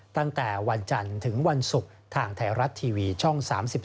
ตั้งแต่วันจันทร์ถึงวันศุกร์ทางไทยรัฐทีวีช่อง๓๒